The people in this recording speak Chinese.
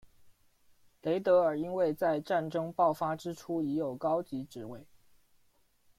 雷德尔因为在战争爆发之初已有高级职位。